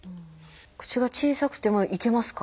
口が小さくてもいけますか？